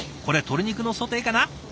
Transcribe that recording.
これ鶏肉のソテーかな。